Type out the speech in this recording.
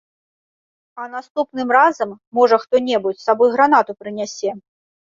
А наступным разам, можа, хто-небудзь з сабой гранату прынясе.